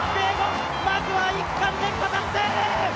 まずは連覇達成！